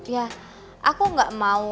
ya aku gak mau